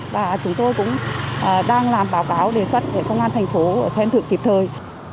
và chúng tôi cũng đang làm báo cáo đề xuất để công an thành phố thêm thử kịp thời